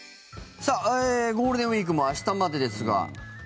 ゴールデンウィークも明日までですが。